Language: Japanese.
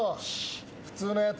普通のやつ。